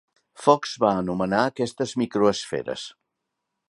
Fox va anomenar aquestes "micro-esferes".